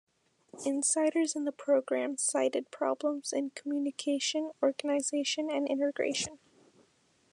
Insiders in the program cited problems in communication, organization and integration.